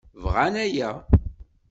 Bɣan aya.